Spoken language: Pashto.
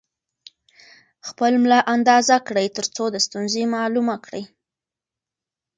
خپل ملا اندازه کړئ ترڅو د ستونزې معلومه کړئ.